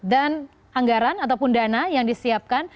dan anggaran ataupun dana yang disiapkan